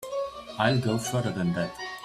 I'll go further than that.